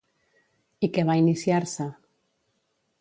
I què va iniciar-se?